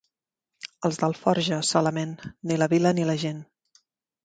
Els d'Alforja, solament, ni la vila ni la gent.